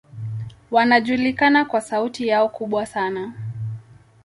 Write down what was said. Wanajulikana kwa sauti yao kubwa sana.